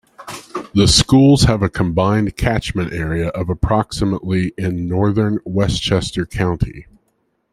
The schools have a combined catchment area of approximately in northern Westchester County.